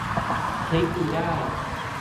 คลิกดูได้